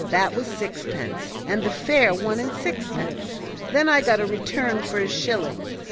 That was sixpence, and the fare one and sixpence; then I got a return for a shilling.